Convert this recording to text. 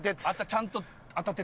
ちゃんと当たってた。